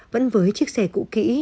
vẫn với chiếc xe cụ kỹ